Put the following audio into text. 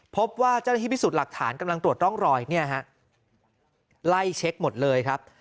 พบว่าเจ้าหน้าที่พิสูจน์หลักฐานกำลังตรวจร่องรอยเนี่ยฮะไล่เช็คหมดเลยครับ